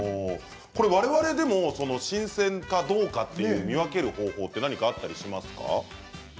我々でも新鮮かどうかって見分ける方法は何かあったりしますか？